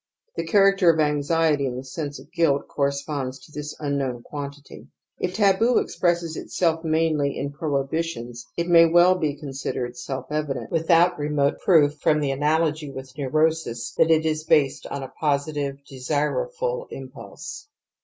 The character of anxiety in the sense of guilt corresponds to this unknown quantity. y If taboo expresses itself mainly in prohibitions it may well be considered self evident, without remote proof from the analogy with neurosis THE AMBIVALENCE OF EMOTIONS 117 that it is based on a positive, desireful impulse.